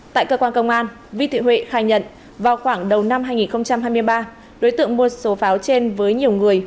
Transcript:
tại cơ quan công an vi thị huệ khai nhận vào khoảng đầu năm hai nghìn hai mươi ba đối tượng mua số pháo trên với nhiều người